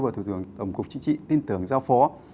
và thủ trưởng tổng cục chính trị tin tưởng giao phó